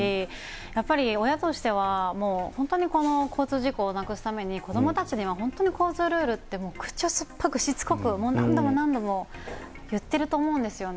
やっぱり親としては、もう本当にこの交通事故をなくすために、子どもたちには本当に交通ルールって、口を酸っぱく、しつこく、何度も何度も言ってると思うんですよね。